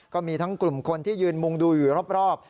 ก็มีทั้งกลุ่มคนที่ยืนมุงดูอยู่รอบ